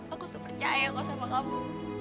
aku tuh percaya kok sama kamu